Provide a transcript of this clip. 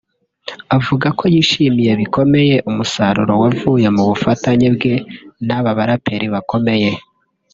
avuga ko yishimiye bikomeye umusaruro wavuye mu bufatanye bwe n’aba baraperi bakomeye